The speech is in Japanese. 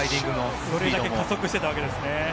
それだけ加速していたわけですね。